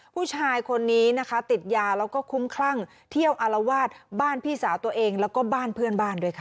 ผู้ชายคนนี้นะคะติดยาแล้วก็คุ้มคลั่งเที่ยวอารวาสบ้านพี่สาวตัวเองแล้วก็บ้านเพื่อนบ้านด้วยค่ะ